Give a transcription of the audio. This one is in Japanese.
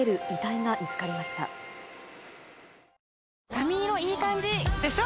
髪色いい感じ！でしょ？